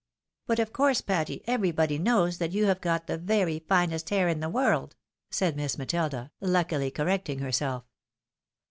But, of course, Patty, everybody knows that you have got the very finest hair in the world," said Miss Matilda, luckily correcting herself.